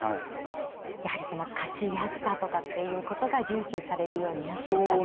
やはりその勝ちやすさとかっていうことが重視されるようになってきたと。